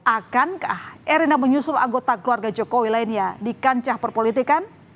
akankah erina menyusul anggota keluarga jokowi lainnya di kancah perpolitikan